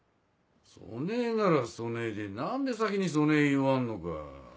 そねぇならそねぇで何で先にそねぇ言わんのか。